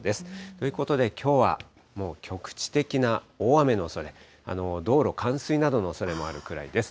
ということで、きょうはもう局地的な大雨のおそれ、道路冠水などのおそれもあるくらいです。